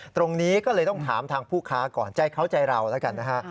ตรงนี้ก็เลยต้องถามทางผู้ค้าก่อนใจเขาใจเราแล้วกันนะฮะ